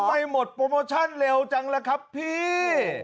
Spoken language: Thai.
ไปหมดโปรโมชั่นเร็วจังล่ะครับพี่